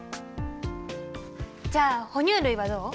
じゃあ哺乳類はどう？